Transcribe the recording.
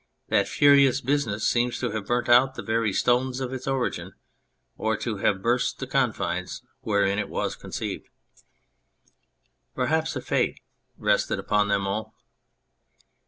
That furious business seems to have burnt out the very stones of its origin or to have burst the confines wherein it was conceived. Perhaps a fate rested upon them all.